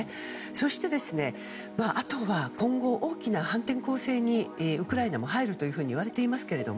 そして、あとは今後大きな反転攻勢にウクライナも入るといわれていますけど